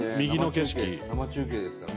生中継ですから。